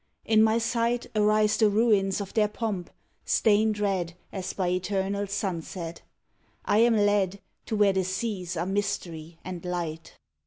In my sight Arise the ruins of their pomp, stained red As by eternal sunset. I am led To where the seas are mystery and light.